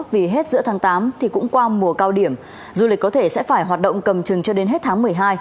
vì hết giữa tháng tám thì cũng qua mùa cao điểm du lịch có thể sẽ phải hoạt động cầm chừng cho đến hết tháng một mươi hai